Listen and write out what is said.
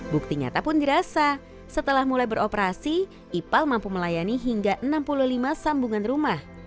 bukti nyata pun dirasa setelah mulai beroperasi ipal mampu melayani hingga enam puluh lima sambungan rumah